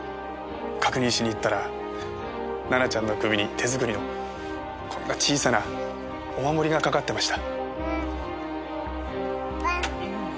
確認しに行ったら奈々ちゃんの首に手作りのこんな小さなお守りがかかってました。